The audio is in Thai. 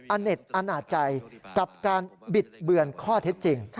เน็ตอนาจใจกับการบิดเบือนข้อเท็จจริง